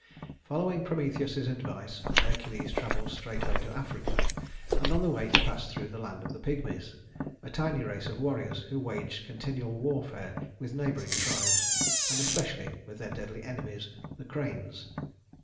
Following Prometheus's advice, Hercules traveled straightway to Africa; and on the way he passed through the land of the Pygmies, a tiny race of warriors who waged continual warfare with neighboring tribes, and especially with their deadly enemies, the cranes.